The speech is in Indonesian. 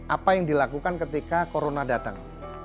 apa yang dilakukan ketika corona datang